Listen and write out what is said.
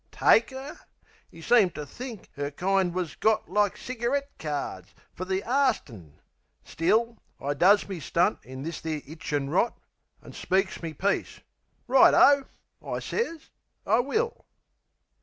TAKE 'er? 'E seemed to think 'er kind was got Like cigarette cards, fer the arstin'. Still, I does me stunt in this 'ere hitchin' rot, An' speaks me piece: "Righto!" I sez, "I will."